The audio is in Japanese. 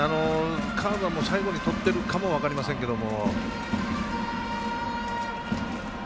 カーブは最後にとってるかも分かりませんけど。